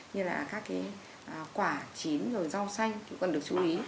như là các cái quả chín rồi rau xanh cũng cần được chú ý